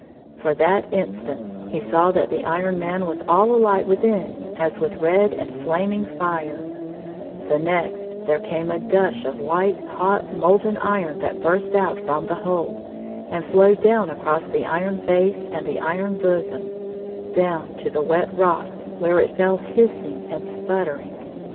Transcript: For that instant he saw that the Iron Man was all alight within as with red and flaming fire ; the next there came a gush of white, hot molten iron that burst out from the hole, and flowed down across the iron face and the iron bosom — down to the wet rocks, where it fell hissing and sputtering.